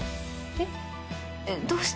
えっどうして？